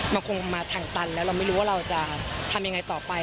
มันคงมาทางตันแล้วเราไม่รู้ว่าเราจะทำยังไงต่อไป